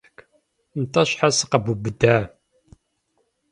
Нтӏэ щхьэ сыкъэбубыда?